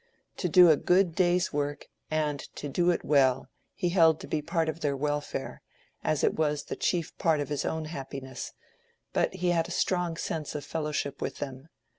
To do a good day's work and to do it well, he held to be part of their welfare, as it was the chief part of his own happiness; but he had a strong sense of fellowship with them.